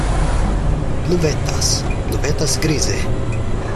Pluvetas, pluvetas grize.